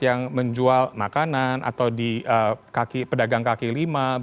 yang menjual makanan atau di pedagang kaki lima